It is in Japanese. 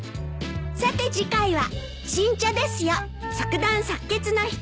さて次回は。